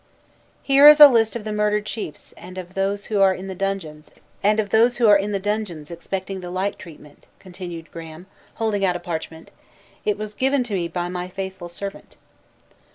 "Here is a list of the murdered chiefs, and of those who are in the dungeons, expecting the like treatment," continued Graham, holding out a parchment; "it was given to me by my faithful servant."